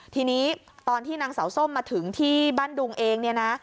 ทีนี้ตอนที่นางสาวส้มมาถึงที่บ้านดุงเองเนี่ยนะ